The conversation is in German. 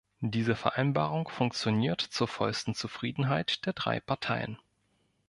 Diese Vereinbarung funktioniert zur vollsten Zufriedenheit der drei Parteien.